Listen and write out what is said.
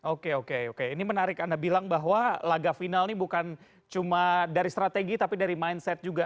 oke oke oke ini menarik anda bilang bahwa laga final ini bukan cuma dari strategi tapi dari mindset juga